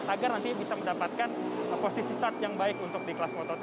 agar nanti bisa mendapatkan posisi start yang baik untuk di kelas moto tiga